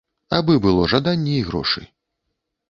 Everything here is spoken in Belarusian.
Абы было жаданне і грошы.